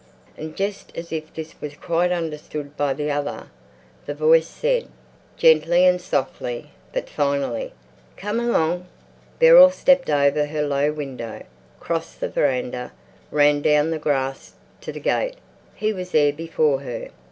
And just as if this was quite understood by the other, the voice said, gently and softly, but finally, "Come along!" Beryl stepped over her low window, crossed the veranda, ran down the grass to the gate. He was there before her.